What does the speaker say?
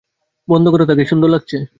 বন্ধ কর তাকে সুন্দর লাগছে।